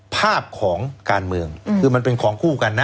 ภาพของการเมืองคือมันเป็นของคู่กันนะ